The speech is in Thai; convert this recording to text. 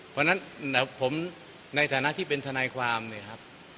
เพราะฉะนั้นผมในฐานะที่เป็นทนายความเนี่ยครับ